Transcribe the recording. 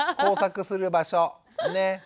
工作する場所。ね。